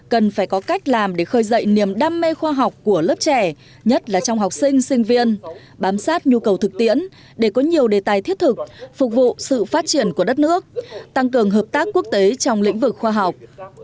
cần phải có cách làm để khơi dậy niềm đam mê khoa học của lớp trẻ nhất là trong học sinh sinh viên bám sát nhu cầu thực tiễn để có nhiều đề tài thiết thực phục vụ sự phát triển của đất nước tăng cường hợp tác quốc tế trong lĩnh vực khoa học